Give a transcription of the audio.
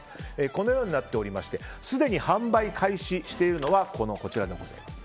このようになっていましてすでに販売開始しているのはこちらです。